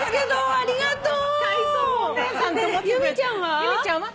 ありがとう。